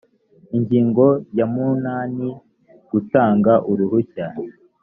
ingingo ya munani gutanga uruhushya